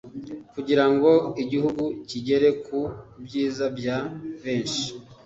kugira ngo igihugu kigere ku byiza bya benshi